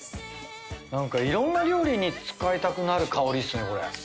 なんかいろんな料理に使いたくなる香りっすねこれ。